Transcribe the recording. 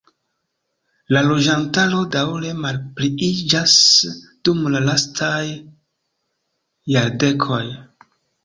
La loĝantaro daŭre malpliiĝas dum la lastaj jardekoj.